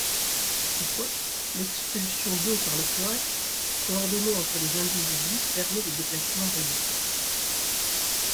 Toutefois l’expulsion d’eau par le cloaque coordonnée entre les individus permet des déplacements réduits.